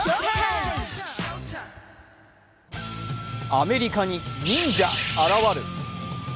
アメリカに忍者、現る。